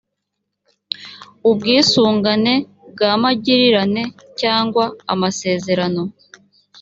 ubwisungane bwa magirirane cyangwa amasezerano